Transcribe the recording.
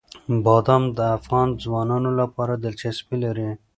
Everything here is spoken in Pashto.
بادام د افغان ځوانانو لپاره دلچسپي لري.